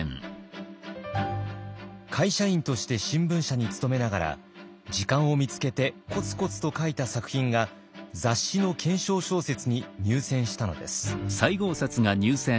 会社員として新聞社に勤めながら時間を見つけてコツコツと書いた作品が雑誌の懸賞小説に入選したのです。